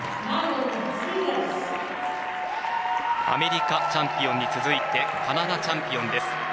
アメリカチャンピオンに続いてカナダチャンピオンです。